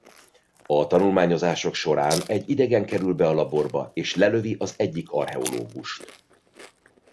A tanulmányozások során egy idegen kerül be a laborba és lelövi az egyik archeológust.